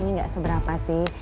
ini gak seberapa sih